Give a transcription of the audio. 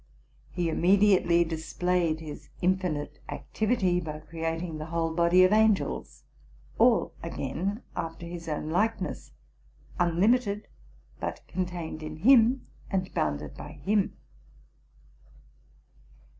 He immediately displayed his infinite activity by creating the whole body of angels,—all, again, after his own likeness, unlimited, but contained in him and bounded by him.